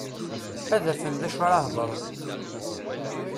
Ad afen d acu ara hedren.